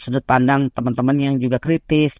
sudut pandang teman teman yang juga kritis